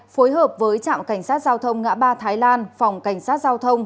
phối hợp với trạm cảnh sát giao thông ngã ba thái lan phòng cảnh sát giao thông